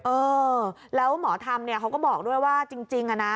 เออแล้วหมอธรรมเนี่ยเขาก็บอกด้วยว่าจริงอะนะ